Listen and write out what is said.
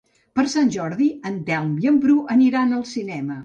Per Sant Jordi en Telm i en Bru aniran al cinema.